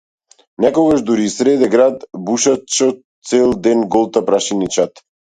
Некогаш дури и среде град бушачот цел ден голта прашина и чад.